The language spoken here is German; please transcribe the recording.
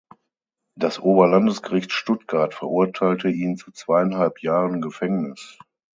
Das Oberlandesgericht Stuttgart verurteilte ihn zu zweieinhalb Jahren Gefängnis.